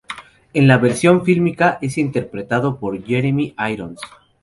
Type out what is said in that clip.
En la versión fílmica es interpretado por Jeremy Irons.